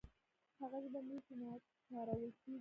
هغه ژبه مري چې نه کارول کیږي.